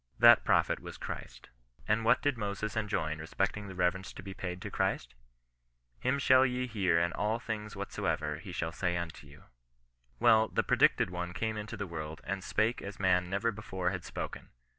That Prophet was Christ. And what did Moses enjoin respecting the reverence to be paid to Christ ?" Him shall ye hear in all things whatsoever he shall say unto you." Well, the predicted one came into the world and spake as man never before had spoken.